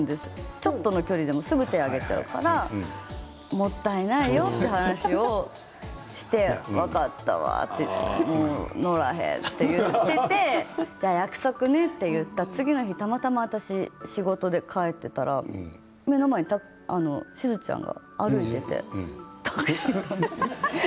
ちょっとの距離でもすぐに手を挙げちゃうからもったいないよという話をして、分かったわもう乗らへんって言ってじゃあ約束ねって言った次の日たまたま私仕事で帰っていたら目の前をしずちゃんが歩いていてタクシーを呼んでいて。